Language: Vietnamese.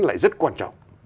lại rất quan trọng